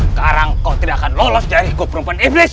sekarang kau tidak akan lolos dari gubrung penipnis